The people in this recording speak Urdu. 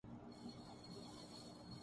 پلیز کوئی ٹریفک قانون کو مت توڑئے گا